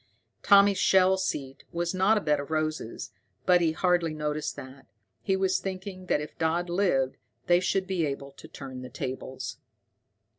Tommy's shell seat was not a bed of roses, but he hardly noticed that. He was thinking that if Dodd lived they should be able to turn the tables.